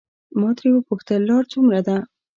ما ترې وپوښتل لار څومره ده.